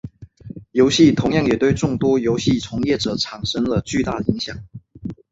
游戏同样也对众多游戏从业者产生了巨大影响。